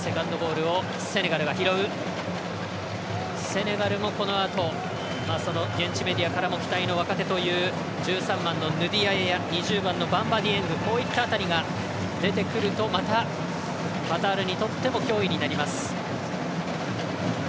セネガルもそのあと現地メディアも期待の若手という１３番のヌディアエや２０番のバンバ・ディエングこういった辺りが出てくるとまたカタールにとっても脅威になります。